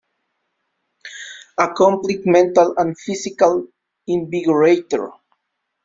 A complete mental and physical invigorator.